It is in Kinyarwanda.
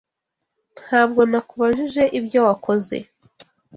Ntabwo nakubajije ibyo wakoze.